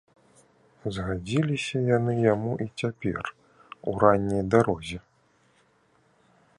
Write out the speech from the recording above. Згадзіліся яны яму і цяпер, у ранняй дарозе.